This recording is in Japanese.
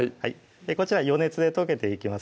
こちら余熱で溶けていきます